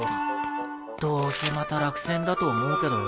どうせまた落選だと思うけどよ。